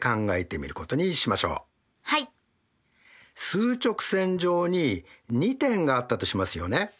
数直線上に２点があったとしますよね。